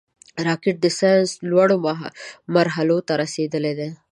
راکټ د ساینس لوړو مرحلو ته رسېدلی دی